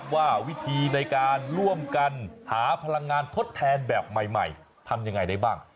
ว่าวิธีในการร่วมกันหาพลังงานทดแทนแบบใหม่ทำยังไงได้บ้าง